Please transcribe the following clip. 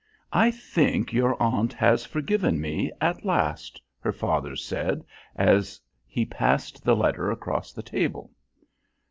"I think your aunt has forgiven me, at last," her father said as he passed the letter across the table.